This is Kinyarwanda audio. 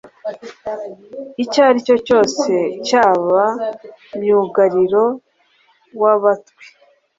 icyaricyo cyose cyaba myugariro wabatwi